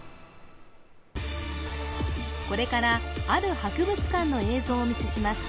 これからある博物館の映像をお見せします